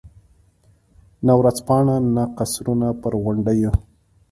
نه ورځپاڼه، نه قصرونه پر غونډیو.